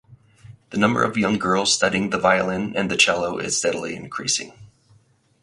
The number of young girls studying the violin and the cello is steadily increasing.